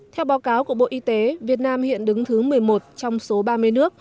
theo báo cáo của bộ y tế việt nam hiện đứng thứ một mươi một trong số ba mươi nước